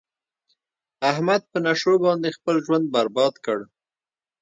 احمد په نشو باندې خپل ژوند برباد کړ.